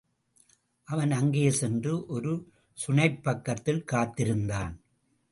அவன் அங்கே சென்று, ஒரு சுனைப்பக்கத்தில் காத்திருந்தான்.